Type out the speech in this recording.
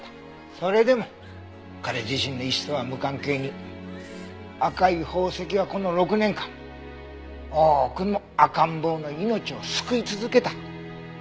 それでも彼自身の意思とは無関係に赤い宝石はこの６年間多くの赤ん坊の命を救い続けた。